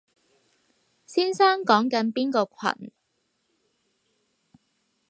先生講緊邊個群？